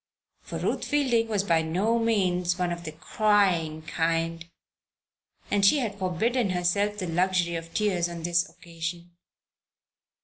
For Ruth Fielding was by no means one of the "crying kind," and she had forbidden herself the luxury of tears on this occasion.